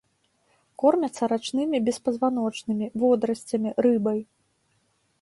Кормяцца рачнымі беспазваночнымі, водарасцямі, рыбай.